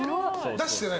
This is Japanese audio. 出してない。